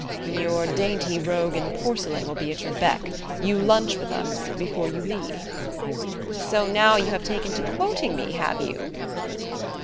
"Your 'dainty rogue in porcelain' will be at your beck you lunch with us? before you leave." "So now you have taken to quoting me, have you?"